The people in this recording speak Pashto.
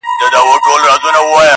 خلک د پېښې خبري کوي,